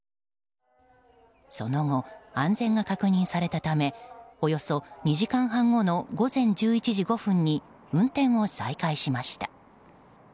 その後、安全が確認されたためおよそ２時間半後の午前１１時５分に運転を再開しました。